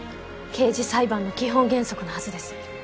刑事裁判の基本原則のはずです。